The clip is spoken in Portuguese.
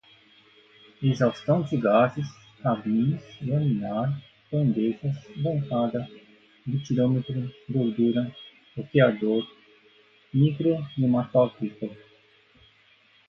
exaustão de gases, cabines, laminar, bandejas, bancada, butirômetro, gordura, roteador, micro-mematócrito